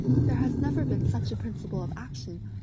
"There has never been such a principle of action!"